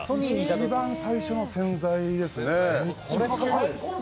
一番最初のの宣材ですね。